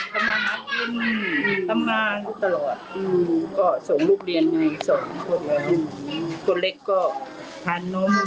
ทำงานกินทำงานก็ตลอดก็ส่งลูกเรียนไงส่งตัวเล็กก็ทานนม